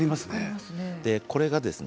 でこれがですね